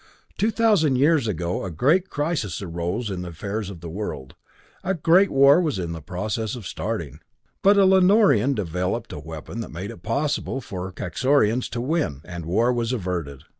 "Two thousand years ago a great crisis arose in the affairs of the world a great war was in process of starting but a Lanorian developed a weapon that made it impossible for the Kaxorians to win and war was averted.